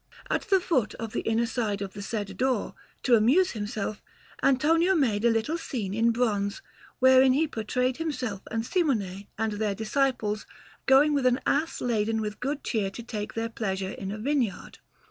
At the foot of the inner side of the said door, to amuse himself, Antonio made a little scene in bronze, wherein he portrayed himself and Simone and their disciples going with an ass laden with good cheer to take their pleasure in a vineyard.